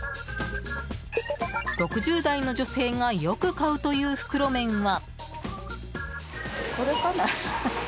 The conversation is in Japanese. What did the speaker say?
６０代の女性がよく買うという袋麺は。